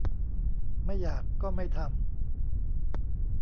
ไม่อยากก็ไม่ทำ